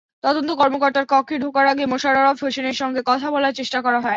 তদন্ত কর্মকর্তার কক্ষে ঢোকার আগে মোশাররফ হোসেনের সঙ্গে কথা বলার চেষ্টা করা হয়।